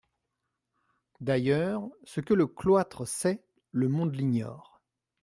D'ailleurs, ce que le cloître sait, le monde l'ignore.